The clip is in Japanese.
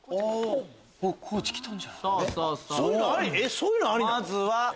そういうのありなの？